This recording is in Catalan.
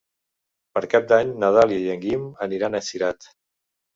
Per Cap d'Any na Dàlia i en Guim aniran a Cirat.